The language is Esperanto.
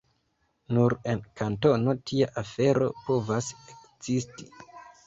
Nur en Kantono tia afero povas ekzisti.